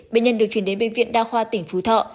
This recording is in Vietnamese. bệnh nhân được chuyển đến bệnh viện đa khoa tỉnh phú thọ